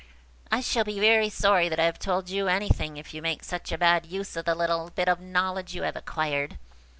"I shall be very sorry that I have told you anything, if you make such a bad use of the little bit of knowledge you have acquired."